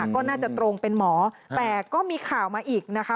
ก็น่าจะตรงเป็นหมอแต่ก็มีข่าวมาอีกนะคะ